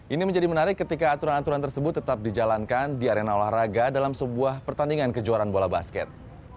ini menjadi menarik ketika aturan aturan tersebut tetap dijalankan di arena olahraga dalam sebuah pertandingan kejuaraan bola basket